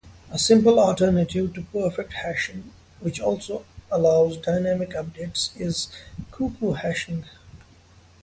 A simple alternative to perfect hashing, which also allows dynamic updates, is cuckoo hashing.